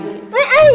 makasih mbak cis